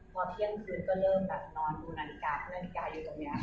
พอเที่ยงคืนก็เริ่มแบบนอนดูนาฬิกานาฬิกาอยู่ตรงนี้